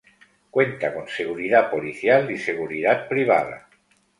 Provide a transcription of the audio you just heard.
Cuenta con seguridad policial y seguridad privada.